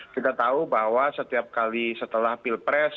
kita tahu bahwa setiap kali setelah pilpres